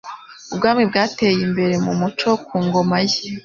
ubwami bwateye imbere mu muco ku ngoma ye.